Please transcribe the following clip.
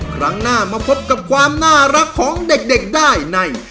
ครั้งหน้ามาพบกับความน่ารักของเด็กได้ใน